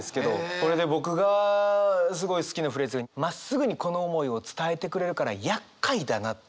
これで僕がすごい好きなフレーズが「まっすぐにこの想いを伝えてくれるから厄介だな」っていうのが。